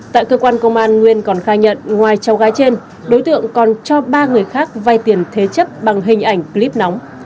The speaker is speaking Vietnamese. tại cơ quan công an nguyên còn khai nhận ngoài cháu gái trên đối tượng còn cho ba người khác vay tiền thế chấp bằng hình ảnh clip nóng